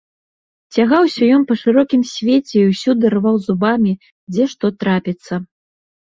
Цягаўся ён па шырокім свеце і ўсюды рваў зубамі, дзе што трапіцца.